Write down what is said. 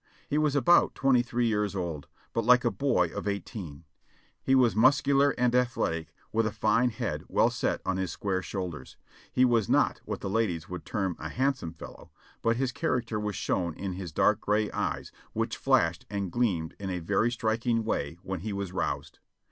He was about twenty three years old, but Hke a boy of eighteen; he was muscular and athletic, with a fine head well set on his square shoulders ; he was not what the ladies would term "a handsome fellow," but his character was shown in his dark gray eyes, which flashed and gleamed in a very striking way when he 534 JOHNNY REB AND BILLY YANK was roused.